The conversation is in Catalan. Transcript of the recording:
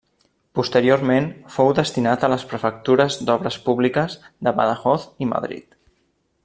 Posteriorment fou destinat a les Prefectures d'Obres Públiques de Badajoz i Madrid.